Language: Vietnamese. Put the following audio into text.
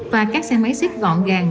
và các xe máy xếp gọn gàng